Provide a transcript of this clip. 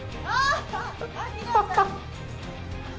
ああ？